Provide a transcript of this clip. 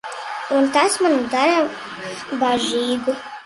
Un tas mani dara bažīgu.